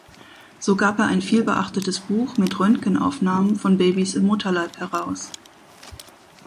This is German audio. So gab er ein viel beachtetes Buch mit Röntgenaufnahmen von Babys im Mutterleib heraus.